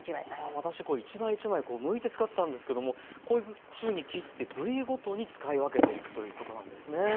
私一枚一枚むいて使ってたんですけどもこういうふうに切って部位ごとに使い分けていくということなんですね。